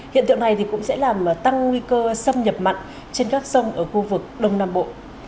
hiện tượng này cũng sẽ làm tăng nguy cơ xâm nhập mặn trên các sông ở khu vực đông nam bộ